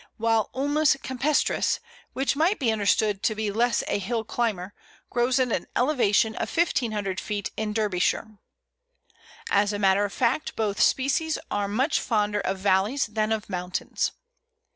whilst Ulmus campestris, which might be understood to be less a hill climber, grows at an elevation of 1500 feet in Derbyshire. As a matter of fact, both species are much fonder of valleys than of mountains.